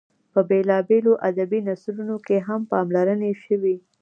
په بېلابېلو ادبي نثرونو کې هم پاملرنه شوې.